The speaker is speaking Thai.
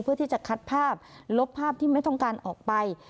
เพื่อที่จะคัดภาพลบภาพที่ไม่ต้องการออกไป